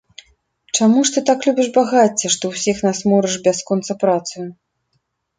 Чаму ж ты так любіш багацце, што ўсіх нас морыш бясконца працаю?